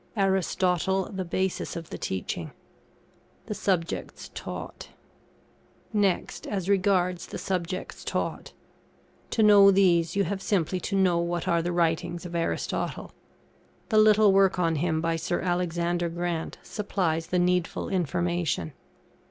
[ARISTOTLE THE BASIS OF THE TEACHING.] THE SUBJECTS TAUGHT. Next, as regards the Subjects taught. To know these you have simply to know what are the writings of Aristotle. The little work on him by Sir Alexander Grant supplies the needful information.